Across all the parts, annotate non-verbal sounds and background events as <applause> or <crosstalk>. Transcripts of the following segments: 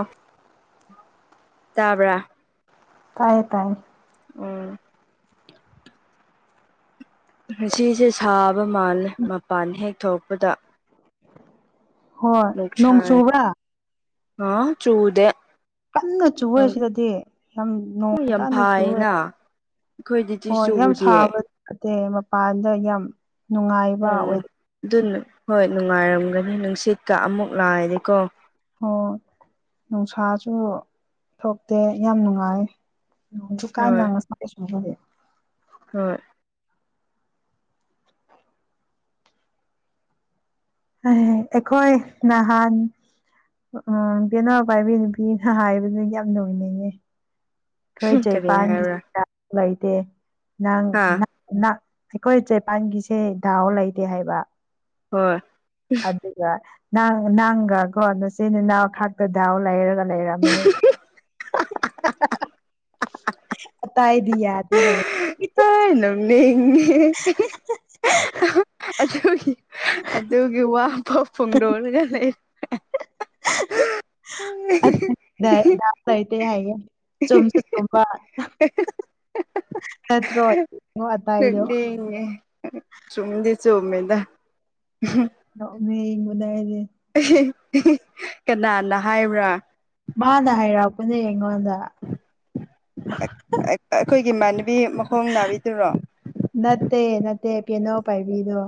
ꯑꯥ ꯇꯥꯕ꯭ꯔꯥ ꯇꯥꯏꯌꯦ ꯇꯥꯏꯌꯦ ꯎꯝ ꯉꯁꯤꯁꯦ ꯁꯥꯕ ꯃꯥꯜꯂꯦ ꯃꯄꯥꯟ ꯍꯦꯛ ꯊꯣꯛꯄꯗ ꯍꯣꯏ ꯅꯣꯡ ꯅꯨꯡꯁꯥ ꯆꯨꯕ꯭ꯔꯥ ꯑ ꯆꯨꯗꯦ ꯀꯟꯅ ꯆꯨꯋꯦ ꯁꯤꯗꯗꯤ ꯌꯥꯝ ꯅꯣꯡ ꯌꯥꯝ ꯀꯟꯅ ꯆꯨꯨꯋꯦ ꯐꯥꯏꯅ ꯑꯩꯈꯣꯏꯗꯗꯤ ꯍꯣꯏ ꯌꯥꯝ ꯆꯨꯗꯤꯌꯦ ꯁꯥꯕ ꯌꯥꯗꯦ ꯃꯄꯥꯟꯗ ꯌꯥꯝ ꯅꯨꯡꯉꯥꯏꯕ ꯎꯝ ꯑꯣꯏ ꯑꯗꯨ ꯍꯣꯏ ꯅꯨꯡꯉꯥꯏꯔꯝꯒꯅꯤ ꯅꯨꯡꯁꯤꯠꯀ ꯑꯃꯨꯛ ꯂꯥꯛꯑꯗꯤꯀꯣ ꯍꯣ ꯅꯨꯡꯁꯥꯁꯨ ꯊꯣꯛꯇꯦ ꯌꯥꯝ ꯅꯨꯡꯉꯥꯏ ꯗꯨꯀꯥꯟ ꯅ ꯍꯣꯏ ꯉꯁꯥꯢ <unintelligible> ꯍꯣꯏ꯫ ꯍꯥꯏ ꯑꯩꯈꯣꯏ ꯅꯍꯥꯟ ꯎꯝ ꯕꯦꯅꯥꯎ ꯄꯥꯏꯕꯤ ꯅꯨꯄꯤꯅ ꯍꯥꯏꯕꯗꯨ ꯌꯥꯝ ꯅꯨꯛꯅꯤꯡꯉꯤ ꯑꯩꯈꯣꯏ ꯀꯔꯤ ꯍꯥꯏꯕ꯭ꯔꯥ ꯖꯤꯄꯥꯟꯒꯤꯁꯤꯅ ꯂꯩꯇꯦ ꯅꯪ ꯍꯥ ꯅꯪ ꯑꯩꯈꯣꯏ ꯆꯦꯄꯥꯟꯒꯤꯁꯦ ꯗꯥꯎ ꯂꯩꯇꯦ ꯍꯥꯏꯕ ꯍꯣꯏ ꯑꯗꯨꯒ ꯅꯪꯒ ꯀꯣ ꯅꯆꯦ ꯅꯅꯥꯎ ꯈꯥꯛꯇ ꯗꯥꯎ ꯂꯩꯔꯒ ꯂꯩꯔꯝꯃꯦ ꯍꯥꯏꯌꯦ ꯂꯩ <unintelligible> ꯑꯇꯏꯗꯤ ꯌꯥꯗꯦ ꯍꯥꯏꯌꯦ ꯑꯩ ꯅꯣꯛꯅꯤꯡꯉꯤ <unintelligible> ꯑꯗꯨꯒꯤ ꯑꯗꯨꯒꯤ ꯋꯥꯕ ꯐꯣꯡꯗꯣꯛꯂꯒ ꯂꯩ ꯑꯦ <unintelligible> <unintelligible> ꯂꯩꯇꯦ ꯍꯥꯏ ꯆꯨꯝꯁꯨ ꯆꯨꯝꯕ <unintelligible> ꯅꯠꯇ꯭ꯔꯣ ꯑꯇꯥꯏꯗꯣ ꯅꯣꯛꯅꯤꯡꯉꯦ ꯆꯨꯝꯗꯤ ꯆꯨꯝꯃꯦꯗ ꯅꯣꯛꯅꯤꯡꯕꯅ ꯑꯩꯗꯤ ꯀꯅꯥꯅ ꯍꯥꯏꯕ꯭ꯔꯥ ꯃꯥꯅ ꯍꯥꯏꯔꯛꯄꯅꯦ ꯑꯩꯉꯣꯟꯗ ꯑꯩꯈꯣꯏꯒꯤ ꯏꯃꯥꯟꯅꯕꯤ ꯃꯈꯣꯡ ꯅꯥꯕꯤꯗꯨꯔꯣ ꯅꯠꯇꯦ ꯅꯠꯇꯦ ꯄꯤꯌꯅꯣ ꯄꯥꯏꯕꯤꯗꯣ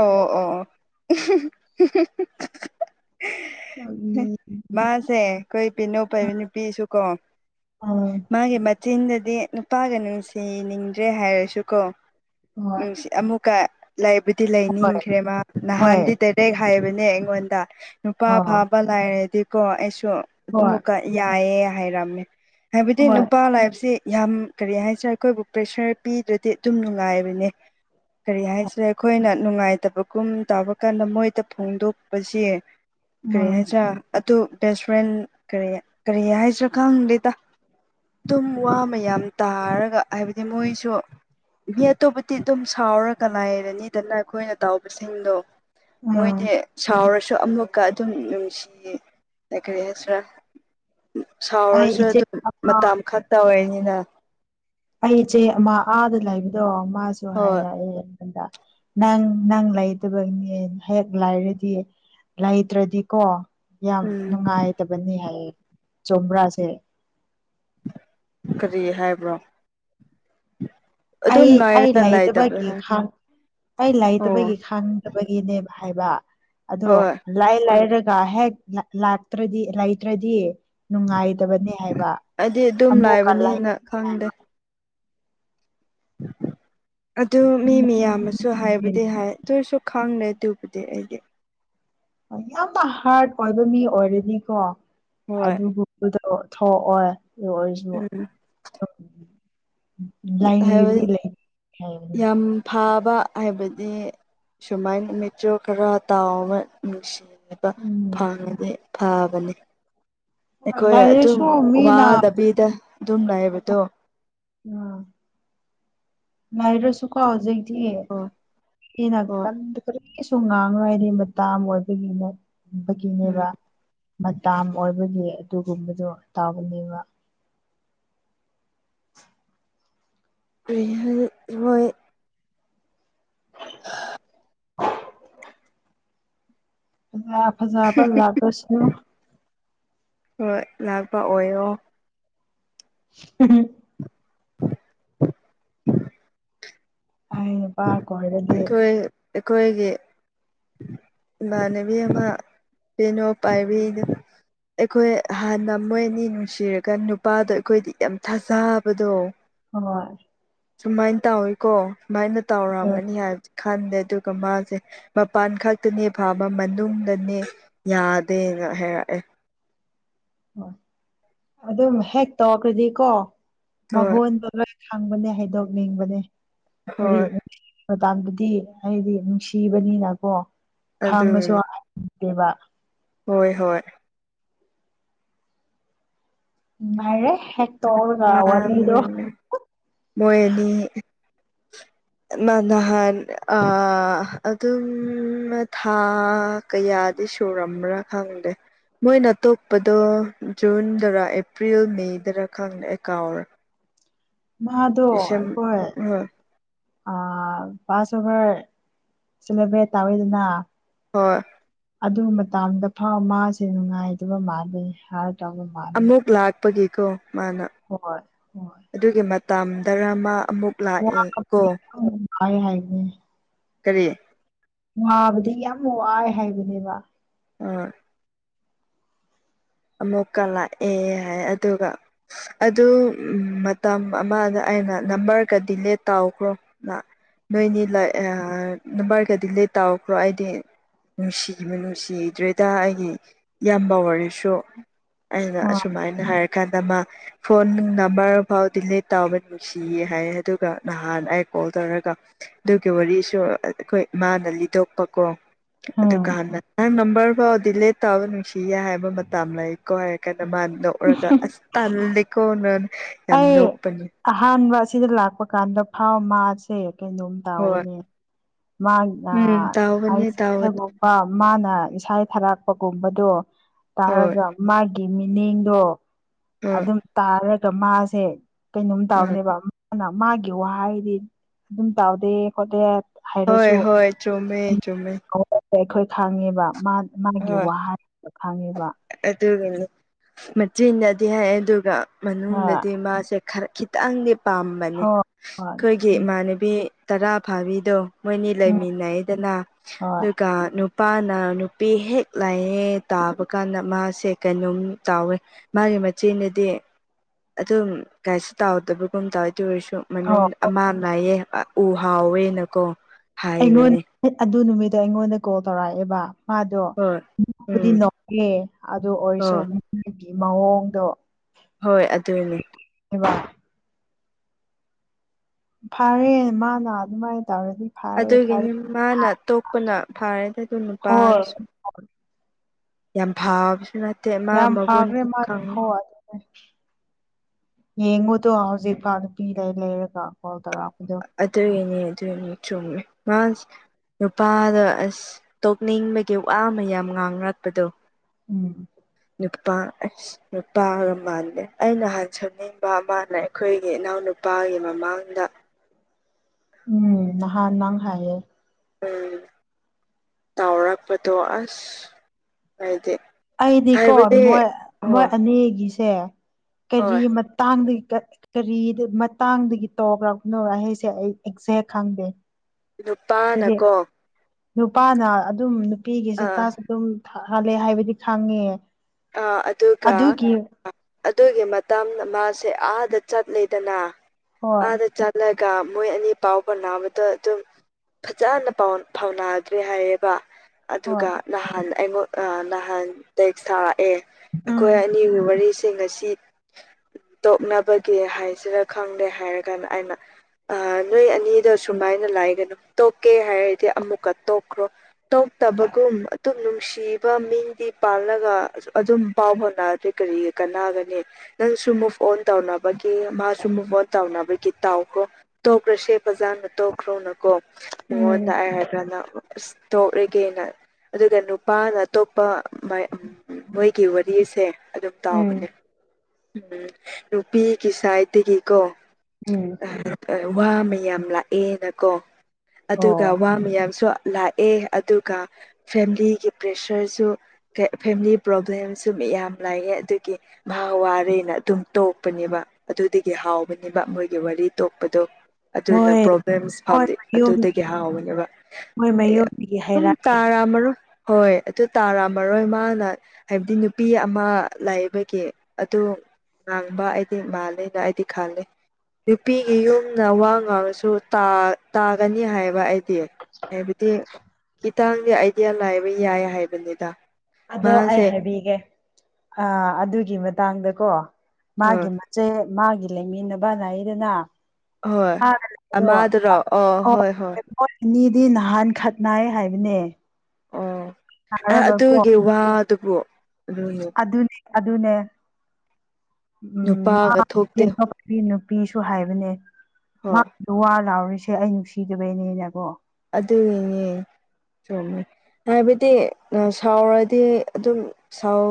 ꯑꯣ ꯑꯣ <unintelligible> ꯅꯣꯛꯅꯤꯡꯕꯅꯦ ꯃꯥꯁꯦ ꯑꯩꯈꯣꯏ ꯄꯤꯌꯅꯣ ꯄꯥꯢꯕ ꯅꯨꯄꯤꯁꯨꯀꯣ ꯎꯝ ꯆꯤꯟꯗꯗꯤ ꯅꯨꯄꯥꯒ ꯅꯨꯡꯁꯤꯅꯤꯡꯗ꯭ꯔꯦ ꯍꯥꯏꯔꯁꯨ ꯀꯣ ꯍꯣꯏ ꯎꯝ ꯁꯤ ꯑꯃꯨꯛꯀ ꯂꯥꯏꯕꯨꯗꯤ ꯍꯣꯏ ꯂꯩꯅꯤꯡꯈ꯭ꯔꯦꯃ ꯍꯣꯏ ꯅꯍꯥꯟꯗꯤ ꯗꯦꯜꯍꯤ ꯍꯦꯛ ꯍꯥꯏꯕꯅꯦ ꯑꯩꯉꯣꯟꯗ ꯅꯨꯄꯥ ꯑꯣ ꯐꯥꯕ ꯂꯥꯏꯔꯗꯤꯀꯣ ꯑꯩꯁꯨ ꯍꯣꯏ ꯑꯃꯨꯛ ꯀ ꯌꯥꯏꯌꯦ ꯍꯥꯏꯔꯝꯃꯦ ꯍꯥꯏꯕꯗꯤ ꯍꯣꯏ ꯅꯨꯄꯥ ꯂꯩꯕꯁꯦ ꯌꯥꯝ ꯀꯔꯤ ꯍꯥꯏꯁꯤꯔꯥ ꯑꯩꯈꯣꯏꯕꯨ ꯄ꯭ꯔꯦꯁꯔ ꯄꯤꯗ꯭ꯔꯗꯤ ꯑꯗꯨꯝ ꯅꯨꯡꯉꯥꯏꯕꯅꯦ ꯀꯔꯤ ꯍꯥꯏꯁꯤꯔꯥ ꯑꯩꯈꯣꯏꯅ ꯅꯨꯡꯉꯥꯏꯇꯕꯒꯨꯝ ꯇꯧꯕ ꯀꯥꯟꯗ ꯃꯣꯏꯗ ꯐꯣꯡꯗꯣꯛꯄꯁꯤ ꯀꯔꯤ ꯎꯝ ꯍꯥꯏꯁꯤꯔꯥ ꯑꯗꯨ ꯕꯦꯁ ꯐ꯭ꯔꯦꯟ ꯀꯔꯤ ꯀꯔꯤ ꯍꯥꯏꯁꯤ꯭ꯔꯥ ꯈꯪꯗꯦꯗ ꯑꯗꯨꯝ ꯋꯥ ꯃꯌꯥꯝ ꯇꯥꯔꯒ ꯍꯥꯏꯕꯗꯤ ꯃꯣꯏꯁꯨ ꯃꯤ ꯑꯇꯣꯞꯄꯗꯤ ꯑꯗꯨꯝ ꯁꯥꯎꯔꯒ ꯂꯩꯔꯅꯤ ꯑꯗꯨꯅ ꯑꯩꯈꯣꯏꯅ ꯇꯥꯎꯕꯁꯤꯡꯗꯣ ꯎꯝ ꯃꯣꯏꯗꯤ ꯁꯥꯎꯔꯁꯨ ꯑꯃꯨꯛꯀ ꯑꯗꯨꯝ ꯅꯨꯡꯁꯤꯌꯦ ꯑꯩ ꯀꯔꯤ ꯍꯥꯏꯁꯤꯔꯥ ꯑꯩ ꯁꯥꯎꯔꯁꯨ ꯏꯆꯦ ꯑꯗꯨꯝ ꯑꯃ ꯃꯇꯝ ꯈꯛꯇ ꯑꯣꯏꯔꯅꯤꯅ ꯑꯩ ꯏꯆꯦ ꯑꯃ ꯑꯥꯗ ꯂꯩꯕꯗꯣ ꯃꯥꯁꯨ ꯍꯣꯏ ꯍꯥꯏꯔꯛꯑꯦ <unintelligible> ꯅꯪ ꯅꯪ ꯂꯩꯇꯕꯩꯅꯦ ꯍꯦꯛ ꯂꯥꯏꯔꯗꯤ ꯂꯩꯇ꯭ꯔꯗꯤꯀꯣ ꯌꯥꯝ ꯎꯝ ꯅꯨꯡꯉꯥꯏꯇꯕꯅꯦ ꯍꯥꯏꯌꯦ ꯆꯨꯨꯝꯕꯔꯥꯁꯦ ꯀꯥꯔꯤ ꯍꯥꯏꯕ꯭ꯔꯣ ꯑꯗꯨꯝ ꯑꯩ ꯑꯩ ꯂꯥꯏꯔꯒ ꯂꯥꯏꯇꯕ ꯂꯩꯇꯕꯒꯤ ꯍꯥꯏ ꯈꯥꯡ ꯑꯩ ꯑꯣ ꯂꯩꯇꯕꯒꯤ ꯈꯥꯡ ꯇꯥꯕꯥꯒꯤꯅꯦꯕ ꯍꯥꯏꯕ ꯑꯗꯣ ꯍꯣꯏ ꯂꯥꯏ ꯂꯥꯏꯔꯒ ꯍꯦꯛ ꯂꯥꯛꯇ꯭ꯔꯗꯤ ꯂꯩꯇ꯭ꯔꯗꯤ ꯅꯨꯡꯉꯥꯏꯇꯕꯅꯦ ꯍꯥꯏꯕ ꯑꯩꯗꯤ ꯑꯗꯨꯝ ꯑꯃꯨꯛꯀ ꯂꯩ ꯂꯥꯏꯕꯅꯤꯅ ꯈꯪꯗꯦ ꯑꯗꯨ ꯃꯤ ꯃꯌꯥꯝꯅꯁꯨ ꯍꯥꯏꯕꯨꯗꯤ ꯍꯥꯏ ꯇꯣꯏꯔꯁꯨ ꯈꯪꯗꯦ ꯑꯗꯨꯕꯨꯗꯤ ꯑꯩꯗꯤ ꯑꯥ ꯌꯥꯝꯅ ꯍꯥꯔꯠ ꯑꯣꯏꯕ ꯃꯤ ꯑꯣꯏꯔꯗꯤꯀꯣ ꯍꯣꯏ ꯑꯗꯨꯕꯨ ꯑꯗꯨ ꯊꯣꯛꯑꯣꯏ ꯑꯗꯨ ꯑꯣꯏꯔꯁꯨ ꯎꯝ ꯂꯩꯕꯗꯤ ꯍꯥꯏꯕꯗꯤ ꯂꯩ ꯍꯥꯏꯕ ꯌꯥꯝ ꯐꯥꯕ ꯍꯥꯏꯕꯗꯤ ꯁꯨꯃꯥꯏ ꯃꯦꯆꯤꯑꯣꯔ ꯈꯔ ꯇꯥꯎꯕ ꯎꯝ ꯅꯨꯡꯁꯤꯌꯦ <unintelligible> ꯎꯝ ꯐꯅꯦ ꯐꯕꯅꯦ ꯑꯩꯈꯣꯏ ꯑꯗꯨꯝ ꯂꯥꯏꯔꯁꯨ ꯃꯤꯅ ꯋꯥꯗꯕꯤꯗ ꯑꯗꯨꯝ ꯂꯩꯕꯗꯣ ꯑ ꯉꯥꯏꯔꯁꯨ ꯀꯣ ꯍꯧꯖꯤꯛꯇꯤ ꯍꯣꯏ ꯏꯅ <unintelligible> ꯍꯣꯏ ꯀꯩꯁꯨ ꯉꯥꯡꯉꯔꯣꯏ ꯍꯥꯏꯗꯤ ꯃꯇꯥ ꯑꯃ ꯑꯣꯏꯕꯒꯤꯅꯠ ꯎꯝ ꯕꯒꯤꯅꯦꯕ ꯃꯇꯥꯝ ꯑꯣꯏꯕꯒꯤ ꯑꯗꯨꯒꯨꯝꯕꯗꯣ ꯇꯥꯎꯕꯅꯦꯕ ꯍꯩ ꯍꯩ ꯍꯣꯏ ꯍꯥ ꯐꯖꯥ ꯐꯖꯥꯕ ꯂꯥꯛꯂꯁꯨ ꯍꯣꯏ ꯂꯥꯛꯄ ꯑꯣꯏꯌꯣ <inaudible> ꯑꯩ ꯀꯣꯏꯔꯗꯤ ꯑꯩꯈꯣꯏ ꯑꯩꯈꯣꯏꯒꯤ ꯏꯃꯥꯟꯅꯕꯤ ꯑꯃ ꯄꯦꯅꯣ ꯄꯥꯏꯕꯤꯗ ꯑꯩꯈꯣꯏ ꯍꯥꯟꯅ ꯃꯣꯏ ꯑꯅꯤ ꯅꯨꯡꯁꯤꯔꯒ ꯅꯨꯄꯥꯗꯣ ꯑꯩꯈꯣꯏꯗꯤ ꯌꯥꯝ ꯊꯥꯖꯕꯗꯣ ꯍꯣꯏ ꯁꯨꯃꯥꯏꯅ ꯇꯧꯋꯤꯀꯣ ꯁꯨꯃꯥꯏꯅ ꯇꯧꯔꯝꯒꯅꯤ ꯍꯥꯏꯕꯁꯦ ꯈꯟꯗꯦ ꯑꯗꯨꯒ ꯃꯥꯁꯦ ꯃꯄꯥꯟ ꯈꯛꯇꯅꯦ ꯐꯥꯕ ꯃꯅꯨꯡꯗꯅꯦ ꯌꯥꯗꯦꯅ ꯍꯥꯏꯔꯛꯑꯦ ꯍꯣꯏ ꯑꯗꯨꯝ ꯍꯦꯛ ꯇꯧꯔꯈ꯭ꯔꯗꯤꯀꯣ ꯍꯣꯏ ꯃꯉꯣꯟꯗ ꯂꯣꯏ ꯍꯪꯕꯅꯦ ꯍꯥꯏꯗꯣꯛꯅꯤꯡꯕꯅꯦ ꯍꯥꯏꯗꯤ ꯍꯣꯏ ꯃꯇꯝꯗꯨꯗꯤ ꯑꯩꯗꯤ ꯅꯨꯡꯁꯤꯕꯅꯤꯅꯀꯣ ꯈꯥꯡꯉꯁꯨ ꯑꯗꯨꯅꯤ ꯑꯦꯕ ꯍꯣꯏ ꯍꯣꯏ ꯃꯥꯏꯔꯦ ꯍꯦꯛ ꯇꯧꯔꯒ ꯃꯥ ꯋꯥꯔꯤꯗꯣ ꯃꯣꯏ ꯑꯅꯤ <inaudible> ꯅꯥ ꯅꯍꯥꯟ ꯑꯥ ꯑꯗꯨꯝ ꯊꯥꯛ ꯀꯌꯥꯗꯤ ꯁꯨꯔꯝꯕ꯭ꯔꯥ ꯈꯪꯗꯦ ꯃꯣꯏꯅ ꯇꯣꯛꯄꯗꯣ ꯖꯨꯟꯗꯔ ꯑꯦꯄ꯭ꯔꯤꯜ ꯃꯦꯗꯔ ꯈꯪꯗꯦ ꯑꯩ ꯀꯥꯎꯔꯦ ꯃꯥꯗꯣ ꯁꯦꯝ ꯑꯩꯈꯣꯏ ꯍꯣꯏ ꯑꯥ ꯄꯥꯁꯨ ꯍꯣꯏ ꯁꯦꯂꯦꯕ꯭ꯔꯦꯠ ꯇꯧꯋꯤꯗꯅ ꯍꯣꯏ ꯑꯗꯨ ꯃꯇꯝꯗ ꯐꯥꯎ ꯃꯥꯁꯦ ꯅꯨꯡꯉꯥꯏꯗꯕ ꯃꯥꯜꯅꯤ ꯍꯥꯔ ꯇꯥꯎꯕ ꯃꯥ ꯑꯃꯨꯛ ꯂꯥꯛꯄꯒꯤꯀꯣ ꯃꯥꯅ ꯍꯣꯏ ꯍꯣꯏ ꯑꯗꯨꯒꯤ ꯃꯇꯝꯗꯔ ꯃꯥ ꯑꯃꯨꯛ ꯂꯥꯛꯑꯦ ꯀꯣ ꯑꯩ ꯍꯥꯏꯒꯦ ꯀꯔꯤ ꯋꯥꯕꯗꯤ ꯌꯥꯝ ꯋꯥꯏ ꯍꯥꯏꯕꯅꯦꯕ ꯑ ꯑꯃꯨꯛꯀ ꯂꯥꯛꯑꯦ ꯍꯥꯏ ꯑꯗꯨꯒ ꯑꯗꯨ ꯃꯇꯝ ꯑꯃꯗ ꯑꯩꯅ ꯅꯝꯕꯔꯒ ꯗꯤꯂꯦꯠ ꯇꯧꯈ꯭ꯔꯣ ꯅ ꯅꯣꯏꯅꯤ ꯂꯩ ꯑ ꯅꯝꯕꯔꯒ ꯗꯤꯂꯦꯠ ꯇꯧꯈ꯭ꯔꯣ ꯑꯩꯗꯤ ꯅꯨꯡꯁꯤꯕ ꯅꯨꯡꯁꯤꯗ꯭ꯔꯦꯗ ꯑꯩꯒꯤ ꯏꯌꯥꯝꯕ ꯑꯣꯏꯁꯨ ꯑꯩꯅ ꯍꯣꯏ ꯑꯁꯨꯃꯥꯏꯅ ꯍꯥꯏꯔ ꯀꯥꯟꯗ ꯃꯥ ꯐꯣꯟ ꯅꯝꯕꯔ ꯐꯥꯎ ꯗꯤꯂꯤꯠ ꯇꯕꯅꯤ ꯁꯤꯌꯦ ꯍꯥꯏꯌꯦ ꯑꯗꯨꯒ ꯅꯍꯥꯟ ꯑꯩ ꯀꯣꯜ ꯇꯧꯔꯒ ꯑꯗꯨꯒꯤ ꯋꯥꯔꯤꯁꯨ ꯑꯩꯈꯣꯏ ꯏꯃꯥꯅ ꯂꯤꯊꯣꯛꯄꯀꯣ ꯑꯗꯨ ꯎꯝ ꯀꯥꯟꯗ ꯅꯪ ꯅꯝꯕꯔ ꯐꯥꯎ ꯗꯤꯂꯦ ꯇꯥꯕ ꯅꯨꯡꯁꯤꯌꯦ ꯍꯥꯏꯕ ꯇꯝ ꯂꯥꯏꯀꯣ ꯍꯥꯏꯔ ꯀꯥꯟꯗ ꯃꯥ ꯅꯣꯛꯔꯒ ꯑꯁ ꯇꯜꯂꯤꯀꯣꯅ ꯑꯩ ꯑꯍꯥꯟꯕ ꯑꯁꯤꯗ ꯂꯥꯛꯄ ꯀꯥꯟꯗ ꯐꯥꯎ ꯃꯥꯁꯦ ꯀꯩꯅꯣꯝ ꯍꯣꯏ ꯇꯧꯕꯅꯦ ꯃꯥ ꯎꯝ ꯑꯥ ꯑꯩ ꯇꯥꯎꯕꯅꯦ ꯇꯥꯎꯕꯅꯦ <inaudible> ꯃꯥꯅ ꯏꯁꯥꯏ ꯊꯔꯥꯛꯄꯒꯨꯝꯕꯗꯣ ꯍꯣꯏ ꯇꯥꯔꯒ ꯃꯥꯒꯤ ꯃꯤꯅꯤꯡꯗꯣ ꯍꯣꯏ ꯑꯗꯨꯝ ꯇꯥꯔꯒ ꯃꯥꯁꯦ ꯀꯩꯅꯣꯝ ꯎꯝ ꯇꯥꯕꯅꯦꯕ ꯑꯗꯨꯅ ꯃꯥꯒꯤ ꯋꯥꯍꯩꯗꯤ ꯑꯗꯨꯝ ꯇꯥꯎꯗꯦ ꯈꯣꯠꯇꯦ ꯍꯣꯏ ꯍꯥꯏꯔꯁꯨ ꯍꯣꯏ ꯆꯨꯃꯦ ꯆꯨꯃꯦ ꯑꯩꯈꯣꯏ ꯈꯥꯡꯉꯦꯕ ꯃꯥ ꯃꯥꯒꯤ ꯋꯥꯍꯩꯗꯨꯗ ꯈꯪꯉꯦꯕ ꯑꯗꯨꯒ ꯃꯆꯤꯟꯅꯗꯤ ꯍꯥꯏ ꯑꯗꯨꯒ ꯍꯣꯏ ꯃꯅꯨꯡꯗꯗꯤ ꯃꯥꯁꯦ ꯈꯔ ꯈꯤꯇꯪꯗꯤ ꯄꯥꯝꯕꯅꯦ ꯍꯣꯏ ꯍꯣꯏ ꯑꯩꯈꯣꯏꯒꯤ ꯎꯝ ꯏꯃꯥꯟꯅꯕꯤ ꯇꯔꯥ ꯐꯥꯕꯤꯗꯣ ꯃꯣꯏꯅꯤ ꯎꯝ ꯂꯩꯃꯤꯟꯅꯩꯗꯅ ꯍꯣꯏ ꯑꯗꯨꯒ ꯅꯨꯄꯥꯅ ꯄꯦ ꯍꯦꯛ ꯂꯥꯛꯑꯦ ꯇꯥꯕ ꯀꯥꯟꯗ ꯃꯥꯁꯦ ꯀꯩꯅꯣꯝ ꯇꯥꯎꯋꯦ ꯃꯥꯒꯤ ꯃꯆꯦꯅꯗꯤ ꯑꯗꯨꯝ ꯀꯥꯏꯁꯨ ꯇꯥꯎꯗꯕꯒꯨꯝ ꯇꯧꯏꯗꯨ ꯑꯣꯏꯔꯁꯨ ꯍꯣꯏ ꯃꯅꯨꯡꯗ ꯑꯃ ꯂꯥꯏꯌꯦ ꯎ ꯍꯥꯎꯋꯦꯅꯀꯣ ꯑꯩꯉꯣꯟꯗ ꯍꯥꯏꯕꯅꯦ ꯑꯗꯨ ꯅꯨꯃꯤꯠꯇꯣ ꯑꯩꯉꯣꯟꯗ ꯀꯣꯜ ꯇꯧꯔꯛꯑꯦꯕ ꯍꯣꯏ ꯃꯥꯗꯣꯕꯨꯗꯤ ꯎꯝ ꯅꯣꯛꯑꯦ ꯑꯗꯨ ꯑꯣꯏꯔꯁꯨ ꯍꯣꯏ ꯃꯤꯒꯤ ꯃꯑꯣꯡꯗꯣ ꯍꯣꯏ ꯑꯗꯨꯅꯦ ꯏꯕ ꯐꯥꯔꯦ ꯃꯥꯅ ꯑꯗꯨꯃꯥꯏꯟ ꯇꯧꯔꯗꯤ ꯐꯔꯦ ꯐꯔꯦ ꯑꯗꯨꯒꯤꯅꯤ ꯃꯥꯅ ꯇꯣꯛꯄꯅ ꯐꯥꯔꯦꯗ ꯑꯗꯨ ꯅꯨꯄꯥꯁꯨ꯫ <unintelligible> ꯌꯥꯝ ꯐꯥꯕꯁꯨ ꯅꯠ ꯌꯥꯝ ꯐꯥꯒ꯭ꯔꯦ ꯃꯥ ꯍꯣꯏ ꯌꯦꯡꯉꯨꯗꯣ ꯍꯧꯖꯤꯛꯐ ꯅꯨꯄꯤꯗ ꯂꯩꯔꯒ ꯀꯣꯜ ꯇꯧꯔꯛꯄ ꯑꯗꯨꯒꯤꯅꯤ ꯑꯗꯨꯒꯤꯅꯤ ꯆꯨꯝꯃꯦ ꯃꯥ ꯅꯨꯄꯥꯗ ꯑꯁ ꯇꯣꯛꯅꯤꯡꯕꯒꯤ ꯋꯥ ꯑꯃ ꯌꯥꯝ ꯉꯥꯡꯅꯔꯛꯄꯗꯣ ꯎꯝ ꯅꯨꯄꯥ ꯅꯨꯄꯥꯒ ꯃꯥꯟꯂꯦ ꯑꯩꯅꯍꯥꯟ ꯁꯛꯅꯤꯡꯕ ꯑꯃꯥ ꯂꯩ ꯑꯩꯈꯣꯏꯒꯤ ꯏꯅꯥꯎꯅꯨꯄꯥꯒꯤ ꯃꯃꯥꯡꯗ ꯎꯝ ꯅꯍꯥꯟ ꯅꯪ ꯍꯥꯏꯌꯦ ꯎꯝ ꯇꯥꯎꯔꯛꯄꯗꯣ ꯑꯁ ꯍꯥꯏꯗꯤ ꯑꯩꯗꯤꯀꯣ ꯍꯥꯏꯕꯗꯤ ꯃꯣꯏ ꯃꯣꯏ ꯍꯣꯏ ꯑꯅꯤꯒꯤꯁꯦ ꯀꯔꯤ ꯍꯣꯏ ꯇꯥꯡꯗꯒꯤ ꯀꯩ ꯀꯔꯤꯗ ꯃꯇꯥꯡꯗꯒꯤ ꯇꯧꯈ꯭ꯔꯕꯅꯣ ꯑꯩ ꯍꯥꯏꯁꯦ ꯑꯩ ꯑꯦꯛꯖꯦꯛ ꯈꯪꯗꯦ ꯍꯥꯏꯗꯤ ꯅꯨꯄꯥꯅꯀꯣ ꯅꯨꯄꯥꯅ ꯑꯗꯨꯝ ꯅꯨꯄꯤꯒꯤꯁꯦ ꯑꯥ ꯇꯁꯨ <unintelligible> ꯑꯗꯨꯝ ꯍꯜꯂꯦ ꯍꯥꯏꯕꯗꯤ ꯈꯪꯉꯦ ꯑ ꯑꯗꯨꯒ ꯑꯗꯨꯒꯤ ꯑꯗꯨꯒꯤ ꯃꯇꯝ ꯗ ꯃꯥꯁꯦ ꯑꯥꯗ ꯆꯠꯂ‌ꯦꯗꯅ ꯍꯣꯏ ꯑꯥꯗ ꯆꯠꯂꯒ ꯃꯣꯏ ꯑꯅꯤ ꯄꯥꯎ ꯐꯥꯎꯅꯥꯕꯗ ꯑꯗꯨꯝ ꯐꯖꯅ ꯄꯥꯎ ꯐꯥꯎꯅꯗ꯭ꯔꯤ ꯍꯥꯏꯌꯦꯕ ꯍꯣꯏ ꯑꯗꯨꯒ ꯅꯍꯥꯟ ꯑꯩꯉꯣꯟ ꯅꯍꯥꯟ ꯇ‌ꯦꯛꯁ ꯑꯦ ꯑꯩꯈꯣꯏ ꯎꯝ ꯑꯅꯤꯒꯤ ꯋꯥꯔꯤꯁꯤ ꯉꯁꯤ ꯇꯣꯛꯅꯕꯒꯤ ꯍꯥꯏꯁꯤꯔ ꯈꯪꯗꯦ ꯍꯥꯏꯔꯒꯥꯟꯅ ꯑꯩꯅ ꯑ ꯅꯣꯏ ꯑꯅꯤꯗꯣ ꯁꯨꯃꯥꯏꯅ ꯂꯥꯏꯒꯅꯨ ꯇꯣꯛꯀꯦ ꯍꯥꯏꯔꯗꯤ ꯑꯃꯨꯛꯀ ꯇꯣꯛꯈ꯭ꯔꯣ ꯇꯣꯛꯇꯕꯒꯨꯝ ꯑꯗꯨꯝ ꯅꯨꯡꯁꯤꯕ ꯃꯤꯗꯤ ꯄꯥꯜꯂꯒ ꯑꯗꯨꯝ ꯄꯥꯎ ꯍꯣꯎꯅꯔꯗꯤ ꯀꯔꯤ ꯀꯥꯟꯅꯒꯅꯤ ꯅꯪꯁꯨ ꯃꯨꯚ ꯑꯣꯟ ꯇꯧꯅꯕꯒꯤ ꯃꯥꯁꯨ ꯃꯨꯚ ꯑꯣꯟ ꯇꯧꯅꯕꯒꯤ ꯇꯥꯎꯈꯔꫭ ꯇꯣꯛꯈ꯭ꯔꯁꯦ ꯐꯖꯥꯅ ꯇꯣꯛꯈ꯭ꯔꯣꯅꯀꯣ ꯃꯉꯣꯟꯗ ꯎꯝ ꯑꯩ ꯍꯥꯏꯕꯥꯟꯗ <unintelligible> ꯑꯁ ꯇꯣꯛꯑꯒꯦꯅ ꯑꯗꯨꯒ ꯅꯨꯄꯥꯅ ꯑꯇꯣꯞꯄ ꯃꯣꯏꯒꯤ ꯋꯥꯔꯤꯁꯦ ꯑꯗꯨꯝ ꯇꯥꯎꯕꯅꯦ ꯎꯝ ꯎꯝ ꯅꯨꯄꯤꯒꯤ ꯁꯥꯏꯠꯇꯒꯤ ꯀꯣ ꯎꯝ ꯋꯥ ꯃꯌꯥꯝ ꯂꯥꯛꯑꯦꯅꯀꯣ ꯑꯗꯨꯒ ꯑꯣ ꯋꯥ ꯃꯌꯥꯝꯁꯨ ꯂꯥꯛꯑꯦ ꯑꯗꯨꯒ ꯐꯦꯝꯂꯤꯒꯤ ꯄ꯭ꯔꯦꯁꯔꯁꯨ ꯐꯦꯝꯂꯤ ꯄ꯭ꯔꯣꯕ꯭ꯂꯦꯝꯁꯨ ꯌꯥꯝ ꯂꯥꯛꯌꯦ ꯑꯗꯨꯒꯤ ꯃꯍꯥ ꯋꯥꯔꯦꯅ ꯑꯗꯨꯝ ꯇꯣꯛꯄꯅꯦꯕ ꯑꯗꯨꯗꯒꯤ ꯍꯥꯎꯕꯅꯦꯕ ꯃꯣꯏꯒꯤ ꯋꯥꯔꯤ ꯇꯣꯛꯄꯗꯣ ꯑꯗꯨꯅ ꯃꯣꯏ ꯄ꯭ꯔꯣꯕ꯭ꯂꯦꯝꯁ ꯃꯣꯏ ꯐꯥꯎꯗꯤ ꯑꯗꯨꯗꯒꯤ ꯃꯌꯨꯝꯒꯤ ꯍꯥꯎꯕꯅꯦꯕ ꯃꯣꯏ ꯃꯌꯨꯝꯗꯒꯤ ꯑꯗꯨꯝ ꯍꯥꯏꯔꯛꯑꯦ ꯇꯥꯔꯃꯣꯏ ꯍꯣꯏ ꯑꯗꯨ ꯇꯥꯔꯥꯝꯃꯔꯣꯏ ꯃꯥꯅ ꯍꯥꯏꯕꯗꯤ ꯅꯨꯄꯤ ꯑꯃ ꯂꯥꯛꯏꯕꯒꯤ ꯑꯗꯨ ꯉꯥꯡꯕ ꯑꯩꯗꯤ ꯃꯥꯂꯦꯅ ꯑꯩꯗꯤ ꯈꯜꯂꯦ ꯅꯨꯄꯤꯒꯤ ꯌꯨꯝꯅ ꯋꯥ ꯉꯥꯡꯁꯨ ꯇꯥ ꯇꯥꯒꯅꯤ ꯍꯥꯏꯕ ꯑꯩꯗꯤ ꯍꯥꯏꯕꯗꯤ ꯈꯤꯇꯥꯡꯗꯤ ꯑꯥꯏꯗꯤꯌꯥ ꯂꯥꯏꯕ ꯌꯥꯏ ꯍꯥꯏꯕꯅꯤꯗ ꯑꯗꯣ ꯑꯩ ꯃꯥꯁꯦ ꯍꯥꯏꯕꯤꯒꯦ ꯑ ꯑꯗꯨꯒꯤ ꯃꯇꯥꯡꯗꯀꯣ ꯃꯥꯒꯤ ꯍꯣꯏ ꯁꯦ ꯃꯥꯒꯤ ꯂꯩꯃꯤꯟꯅꯕꯅ ꯂꯩꯏꯗꯅ ꯍꯣꯏ ꯑꯃꯗꯨꯔꯣ ꯑꯥ ꯍꯣꯏ ꯍꯣꯏ ꯍꯣꯏ ꯑꯅꯤꯗꯤ ꯅꯍꯥꯟ ꯈꯠꯅꯥꯏ ꯍꯥꯏꯕꯅꯦ ꯑꯣ ꯁꯥꯔꯒ ꯀꯣ ꯑꯗꯨꯒꯤ ꯋꯥꯗꯨꯕꯨ ꯂꯣꯏ <unintelligible> ꯑꯗꯨꯅꯤ ꯑꯗꯨꯅꯦ ꯎꯝ ꯅꯨꯄꯥꯒ ꯊꯣꯛꯇꯦ <unintelligible> ꯅꯨꯄꯤ ꯅꯨꯄꯤꯁꯨ ꯍꯥꯏꯕꯅꯦ ꯍꯣꯏ ꯃꯥꯁꯨ ꯋꯥ ꯂꯥꯎꯔꯤꯁꯦ ꯑꯩ ꯅꯨꯡꯁꯤꯗꯕꯩꯅꯦꯅꯀꯣ ꯑꯗꯨꯒꯤꯅꯦ ꯆꯨꯝꯃꯦ ꯍꯥꯏꯕꯗꯤ ꯁꯥꯎꯔꯗꯤ ꯑꯗꯨꯝ ꯁꯥꯎ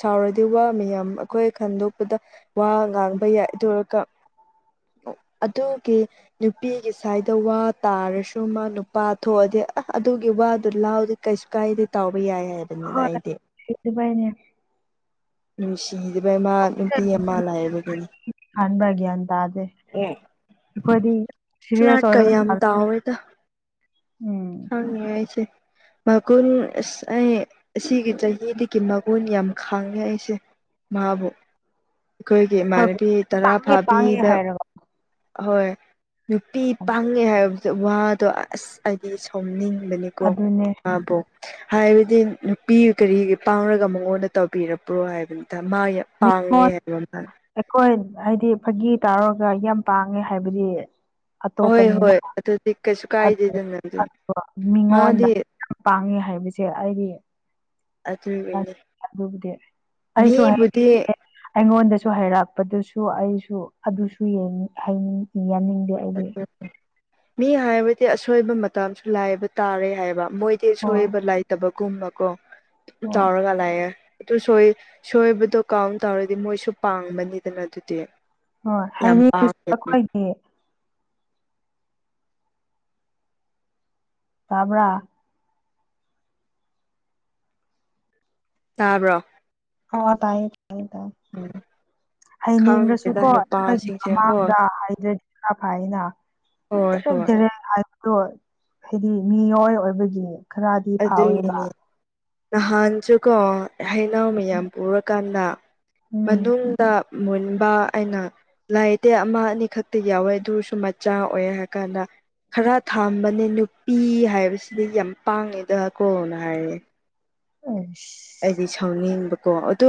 ꯁꯥꯎꯔꯗꯤ ꯋꯥ ꯃꯌꯥꯝ ꯑꯩꯈꯣꯏ ꯈꯟꯗꯣꯛꯄꯗ ꯋꯥ ꯉꯥꯡꯕ ꯌꯥꯏ <unintelligible> ꯗꯔꯒ ꯑꯗꯨꯒꯤ ꯅꯨꯄꯤꯒꯤ ꯁꯥꯏꯗ ꯋꯥ ꯇꯥꯔꯁꯨ ꯑꯗꯨ ꯃꯥ ꯅꯨꯄꯥ ꯊꯣꯛꯑꯗꯤ ꯑ ꯑꯗꯨꯒꯤ ꯋꯥꯗꯨ ꯂꯥꯎꯗꯤ ꯀꯩꯁꯨ ꯀꯥꯏꯗꯦ ꯇꯥꯎꯕ ꯌꯥꯏ ꯍꯥꯏꯕ ꯑꯗꯨꯅ ꯑꯩꯗꯤ ꯁꯤꯁꯨ ꯄꯥꯏꯅꯦ ꯅꯨꯡꯁꯤꯗꯕꯩ ꯃꯥ ꯅꯨꯄꯤ ꯑꯃ ꯂꯥꯛꯕꯒꯤꯅꯤ ꯍꯥꯟꯕ ꯒ꯭ꯌꯥꯟ ꯇꯥꯗꯦ ꯑꯩꯈꯣꯏꯗꯤ ꯁꯤꯔꯤꯌꯁ ꯐ꯭ꯂꯥꯠꯀ ꯑꯣꯏꯔꯒ ꯌꯥꯝ ꯇꯥꯎꯋꯦꯗ ꯎꯝ ꯍꯪꯉ‌ꯦ ꯑꯩꯁ‌ꯦ ꯃꯒꯨꯟ ꯑꯁ ꯑꯩ ꯑꯁꯤꯒꯤ ꯆꯍꯤꯗꯒꯤ ꯃꯒꯨꯟ ꯌꯥꯝ ꯈꯥꯡꯉꯦ ꯑꯩꯁꯦ ꯃꯥꯕꯨ ꯑꯩꯈꯣꯏꯒꯤ ꯑꯩꯈꯣꯏꯕꯨ ꯏꯃꯥꯟꯅꯕꯤ ꯇꯔꯥ ꯄꯥꯡꯉꯦ ꯄꯥꯡꯉꯦ ꯐꯥꯕꯤꯗ ꯍꯥꯏꯔꯒ ꯑꯍꯣꯏ ꯅꯨꯄꯤ ꯄꯥꯡꯉꯦ ꯍꯥꯏꯕꯗ ꯋꯥꯗꯣ ꯑꯁ ꯑꯩꯗꯤ ꯁꯥꯎꯅꯤꯡꯕꯅꯦ꯫ ꯀꯣ ꯑꯗꯨꯅꯦ ꯑꯥꯕꯣ ꯍꯥꯏꯕꯗꯤ ꯅꯨꯄꯤ ꯀꯔꯤꯒꯤ ꯄꯥꯡꯔꯒ ꯃꯉꯣꯟꯗ ꯇꯧꯕꯤꯔꯕ꯭ꯔꯣ ꯍꯥꯏꯕꯅꯤꯗ ꯃꯥꯌ ꯄꯥꯉꯦ ꯃꯤꯉꯣꯟ ꯍꯥꯏꯕ ꯃ꯫ ꯑꯩꯈꯣꯏ ꯍꯥꯏꯗꯤ ꯐꯥꯒꯤ ꯇꯥꯎꯔꯒ ꯌꯥꯝ ꯄꯥꯡꯉꯦ ꯍꯥꯏꯕꯗꯤ ꯍꯣꯏ ꯑꯇꯣꯞꯄꯅꯤꯅ ꯍꯣꯏ ꯑꯗꯨꯗꯤ ꯀꯩꯁꯨ ꯀꯥꯏꯗꯦꯗꯅ ꯑꯗꯨꯅꯤ <inaudible> ꯃꯤꯉꯣꯟꯗ ꯃꯥꯗꯤ ꯄꯥꯡꯉꯦ ꯍꯥꯏꯕꯁꯦ ꯑꯩꯗꯤ ꯑꯗꯨꯒꯤꯅꯤ ꯑꯗꯨꯕꯨꯗꯤ ꯑꯩꯁꯨ ꯃꯤꯕꯨꯗꯤ ꯍꯥꯏꯅꯤꯡꯗꯦ ꯑꯩꯉꯣꯟꯗꯁꯨ ꯍꯩꯔꯛꯄꯗꯨꯁꯨ ꯑꯩꯁꯨ ꯑꯗꯨꯁꯨ ꯌꯦꯡꯅꯤꯡ ꯍꯥꯏꯅꯤꯡ ꯌꯥꯅꯤꯡꯗꯦ꯫ ꯑꯩꯗꯤ <unintelligible> ꯃꯤ ꯍꯥꯏꯕꯗꯤ ꯑꯁꯣꯏꯕ ꯃꯇꯝꯁꯨ ꯂꯥꯏꯕ ꯇꯥꯔꯦ ꯍꯥꯏꯕ꯫ ꯃꯣꯏꯗꯤ ꯍꯣꯏ ꯑꯁꯣꯏꯕ ꯂꯩꯥꯏꯇꯕꯒꯨꯝꯕ ꯀꯣ ꯗꯨꯝ ꯍꯣꯏ ꯇꯨꯎꯔꯒ ꯂꯩ꯫ ꯂꯩꯔ ꯑꯗꯨ ꯁꫭꯏ ꯁꯣꯏꯕꯗꯣ ꯀꯥꯎꯟ ꯇꯧꯔꯗꯤ ꯃꯣꯏꯁꯨ ꯄꯥꯡꯕꯅꯤꯗꯅ ꯑꯗꯨꯗꯤ꯫ ꯍꯣꯏ ꯌꯥꯝ ꯍꯥꯏꯅꯤꯡꯁꯨ ꯄꯥꯝꯃꯦ ꯑꯩꯈꯣꯏꯒꯤ ꯇꯥꯕ꯭ꯔꯥ꯫ ꯇꯥꯕ꯭ꯔꯣ꯫ ꯑꫭ ꯇꯥꯌꯦ ꯇꯥꯌꯦ ꯇꯥꯏ꯫ ꯎꯝ꯫ ꯈꯪꯗꯦꯗ ꯍꯩꯅꯤꯡꯔꯁꯨꯀꯣ ꯈꯣꯏꯒꯤ ꯅꯨꯄꯥꯁꯤꯡꯁꯦ ꯍꯣꯏ ꯃꯃꯥꯡꯗ ꯍꯥꯏꯗ꯭ꯔꯗꯤ ꯈꯔꯥ ꯐꯥꯏꯅ꯫ ꯍꯣꯏ ꯍꯣꯏ ꯗꯦꯔꯦꯛ-ꯗꯦꯔꯦꯛ ꯍꯥꯏꯕꯗꯣ ꯍꯥꯏꯗꯤ ꯃꯤꯑꯣꯏ ꯑꯣꯏꯕꯒꯤ ꯈꯔꯗꯤ ꯐꯥꯎꯋꯦꯕ ꯑꯗꯨꯒꯤꯅꯤ ꯅꯍꯥꯟꯁꯨꯀꯣ ꯍꯩꯅꯧ ꯃꯌꯥꯝ ꯎꯝ ꯄꯨꯔꯀꯥꯟꯗ ꯎꯝ ꯃꯅꯨꯡꯗ ꯃꯨꯟꯕ ꯑꯩꯅ ꯂꯥꯏꯇꯦ ꯑꯃ ꯑꯅꯤ ꯈꯛꯇ ꯌꯥꯎꯋꯦ ꯑꯗꯨꯁꯨ ꯃꯆꯥ ꯑꯣꯏ ꯍꯥꯏ ꯀꯥꯟꯗ ꯈꯔ ꯊꯝꯕꯅꯦ ꯅꯨꯄꯤ ꯍꯥꯏꯕꯁꯤꯗꯤ ꯌꯥꯝ ꯄꯥꯡꯉꯦꯗꯀꯣꯅ ꯍꯥꯏꯔꯦ꯫ ꯍꯩꯁ꯫ ꯑꯩꯗꯤ ꯁꯥꯎꯅꯤꯡꯕꯀꯣ ꯑꯗꯨ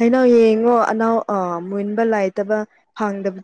ꯍꯩꯅꯧ ꯌꯦꯡꯉꯣ ꯑꯅꯥꯎ ꯑꯥ ꯃꯨꯟꯕ ꯂꯥꯏꯇꯕ ꯐꯪꯗꯕ